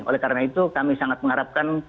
oleh karena itu kami sangat mengharapkan